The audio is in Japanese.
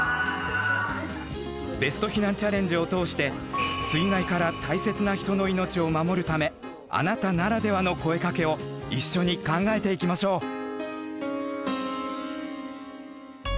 ベスト避難チャレンジを通して水害から大切な人の命を守るためあなたならではの声かけを一緒に考えていきましょう。